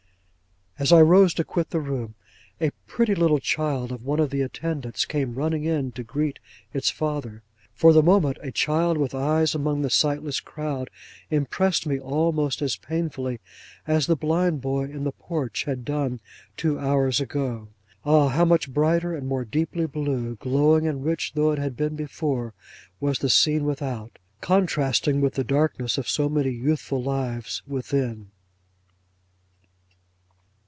As I rose to quit the room, a pretty little child of one of the attendants came running in to greet its father. For the moment, a child with eyes, among the sightless crowd, impressed me almost as painfully as the blind boy in the porch had done, two hours ago. Ah! how much brighter and more deeply blue, glowing and rich though it had been before, was the scene without, contrasting with the darkness of so many youthful lives within!